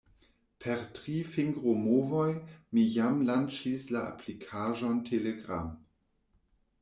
Per tri fingromovoj, mi jam lanĉis la aplikaĵon Telegram.